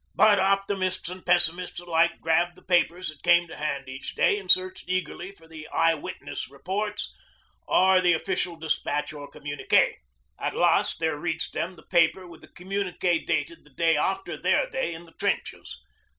But optimists and pessimists alike grabbed the papers that came to hand each day, and searched eagerly for the Eye witness' reports, or the official despatch or communiqué. At last there reached them the paper with the communiqué dated the day after their day in the trenches.